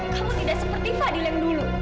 kamu tidak seperti fadil yang dulu